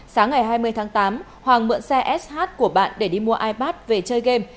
sáng ngày hai mươi tháng tám hoàng mượn xe sh của bạn để đi mua ipad về chơi game